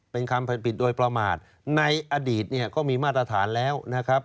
เป็นความผิดโดยประมาทในอดีตเนี่ยก็มีมาตรฐานแล้วนะครับ